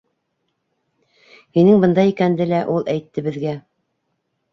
Һинең бында икәнде лә ул әйтте беҙгә.